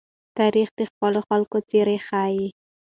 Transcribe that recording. تاریخ د خپلو خلکو څېره ښيي.